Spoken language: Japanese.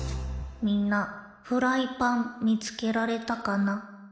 みんなフライパンみつけられたかな？